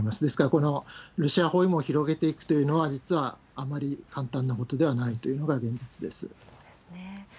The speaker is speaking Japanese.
ですから、このロシア包囲網を広げていくというのは、実はあまり簡単なことではないというのが現実です。